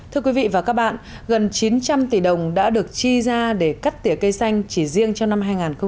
thưa quý vị và các bạn gần chín trăm linh tỷ đồng đã được chi ra để cắt tỉa cây xanh chỉ riêng cho năm hai nghìn một mươi chín